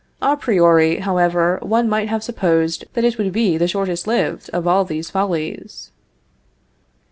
A priori, however, one might have supposed that it would be the shortest lived of all these follies.